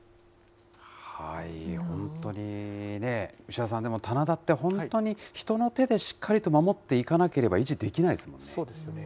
本当にね、牛田さん、棚田って本当に人の手でしっかりと守っていかなければ維持できなそうですよね。